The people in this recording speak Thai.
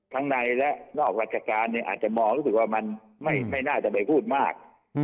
ทั้งในและนอกราชการอาจจะมองรู้สึกว่ามันไม่น่าจะไปพูดมาก